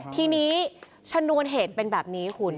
ทีนี้ชนวนเหตุเป็นแบบนี้คุณ